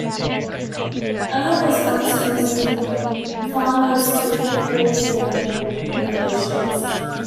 Ether was once used in pharmaceutical formulations.